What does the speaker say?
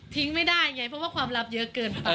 ไม่ได้ไงเพราะว่าความลับเยอะเกินไป